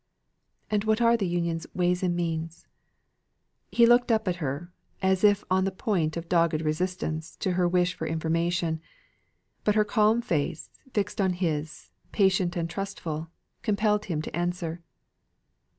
"And what are the Union's ways and means?" He looked up at her, as if on the point of dogged resistance to her wish for information. But her calm face, fixed on his, patient and trustful, compelled him to answer.